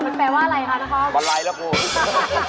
มันแปลว่าอะไรคะน้องครอบครัววันไลน์แล้วครับโอ้โฮ